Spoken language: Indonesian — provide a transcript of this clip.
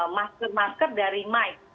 masker masker dari mic